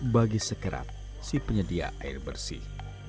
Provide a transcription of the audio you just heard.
bagi sekerat si penyedia air bersih